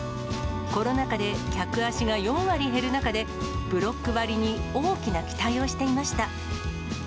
コロナ禍で客足が４割減る中で、ブロック割に大きな期待をしていました。